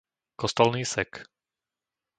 Kostolný Sek